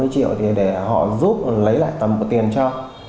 ba mươi triệu thì để họ giúp lấy lại tầm một tiền cho